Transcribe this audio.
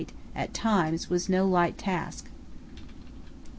at times, was no light task.